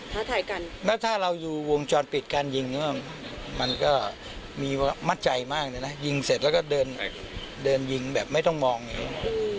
กันแล้วถ้าเราดูวงจรปิดการยิงก็มันก็มีมัดใจมากเลยนะยิงเสร็จแล้วก็เดินเดินยิงแบบไม่ต้องมองอย่างนี้